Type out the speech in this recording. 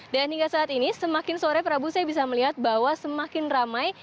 dan hingga saat ini semakin sore prabu saya bisa melihat bahwa semakin ramai